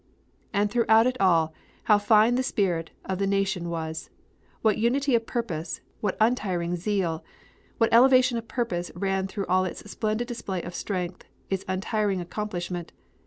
"And throughout it all how fine the spirit of the Nation was; what unity of purpose, what untiring zeal! What elevation of purpose ran through all its splendid display of strength, its untiring accomplishment.